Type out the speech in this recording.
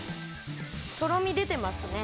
とろみ出てますね